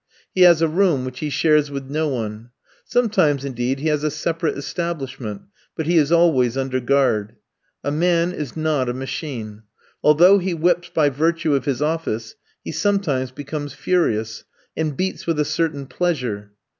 He has a room, which he shares with no one. Sometimes, indeed, he has a separate establishment, but he is always under guard. A man is not a machine. Although he whips by virtue of his office, he sometimes becomes furious, and beats with a certain pleasure.